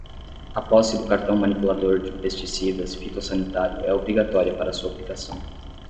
A posse do cartão manipulador de pesticidas fitossanitário é obrigatória para a sua aplicação.